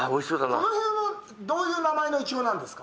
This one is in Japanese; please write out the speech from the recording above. この辺は、どういう名前のイチゴなんですか。